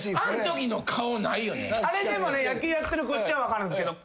あれでもね野球やってるこっちは分かるんすけど。